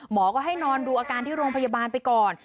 หมอก็ให้นอนดูอาการที่โรงพยาบาลไปก่อน